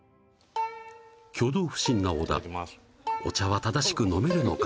挙動不審な小田お茶は正しく飲めるのか？